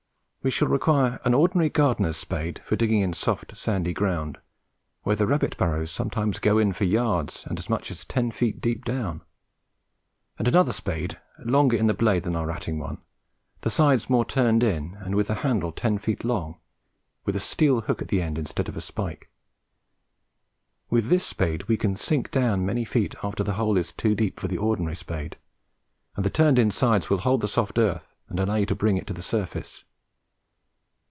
We shall require an ordinary gardener's spade for digging in soft sandy ground, where the rabbit burrows sometimes go in for yards, and as much as ten feet deep down; also another spade, longer in the blade than our ratting one, the sides more turned in, and with a handle ten feet long, with a steel hook at the end instead of a spike. With this spade we can sink down many feet after the hole is too deep for the ordinary spade, and the turned in sides will hold the soft earth and allow you to bring it to the surface.